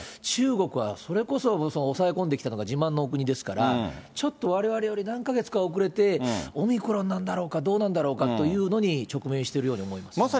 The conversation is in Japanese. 中国はそれこそ、抑え込んできたのが自慢のお国ですから、ちょっとわれわれより何か月か遅れて、オミクロンなんだろうか、どうなんだろうかというのに直面しているように思います。